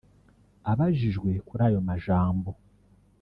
Abajijwe kuri ayo majambo